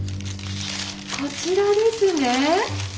こちらですね。